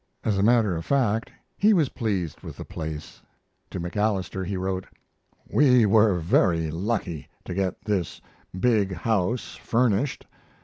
As a matter of fact, he was pleased with the place. To MacAlister he wrote: We were very lucky to get this big house furnished.